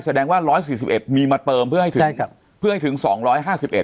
แสดงว่าร้อยสี่สิบเอ็ดมีมาเติมเพื่อให้ถึงใช่ครับเพื่อให้ถึงสองร้อยห้าสิบเอ็